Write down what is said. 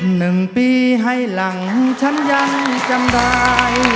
หนึ่งปีให้หลังฉันยังจำได้